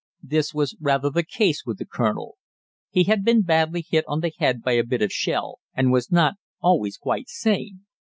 This was rather the case with the colonel. He had been badly hit on the head by a bit of shell, and was not always quite sane.